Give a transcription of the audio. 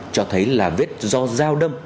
cho thấy là vết do dao đâm